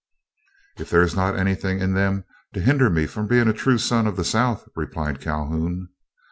"If there is not anything in them to hinder me from being a true son of the South," replied Calhoun.